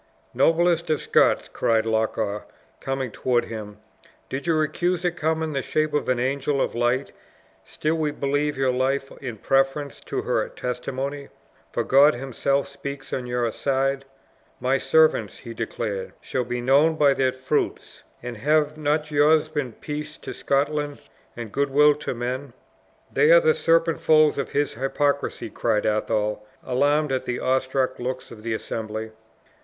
"Noblest of Scots!" cried Loch awe, coming toward him, "did your accuser come in the shape of an angel of light, still we believe your life in preference to her testimony, for God himself speaks on your side. 'My servants,' he declares, 'shall be known by their fruits!' And have not yours been peace to Scotland and good will to men?" "They are the serpent folds of his hypocrisy!" cried Athol, alarmed at the awe struck looks of the assembly.